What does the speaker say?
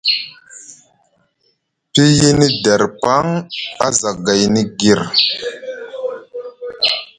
Piyini der paŋ a za gayni gir.